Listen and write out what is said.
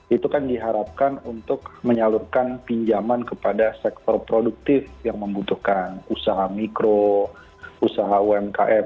itu kan diharapkan untuk menyalurkan pinjaman kepada sektor produktif yang membutuhkan usaha mikro usaha umkm